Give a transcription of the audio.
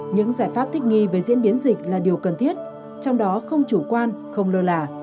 những giải pháp thích nghi về diễn biến dịch là điều cần thiết trong đó không chủ quan không lơ là